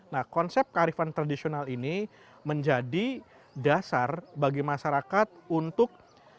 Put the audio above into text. nah konsep kearifan tradisional ini menjadi dasar bagi masyarakat untuk